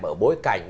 ở bối cảnh